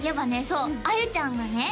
そう杏優ちゃんがね